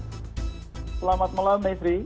selamat malam maitri